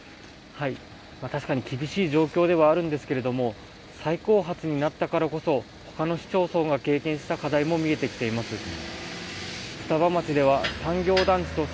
確かに厳しい状況ではあるんですけれども、再後発になったからこそ、ほかの市町村が経験した課題も見えてきています。